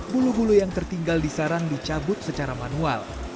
bulu bulu yang tertinggal di sarang dicabut secara manual